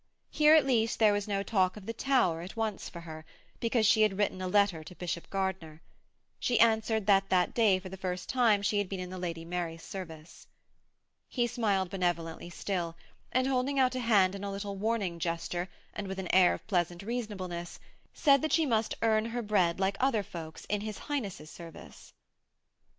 Here at least there was no talk of the Tower at once for her, because she had written a letter to Bishop Gardiner. She answered that that day for the first time she had been in the Lady Mary's service. He smiled benevolently still, and holding out a hand in a little warning gesture and with an air of pleasant reasonableness, said that she must earn her bread like other folks in his Highness' service.